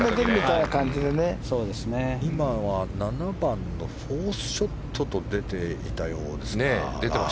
今は７番の４ショットと出ていたようですね。